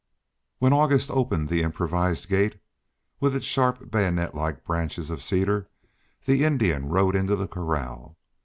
When August opened the improvised gate, with its sharp bayonet like branches of cedar, the Indian rode into the corral.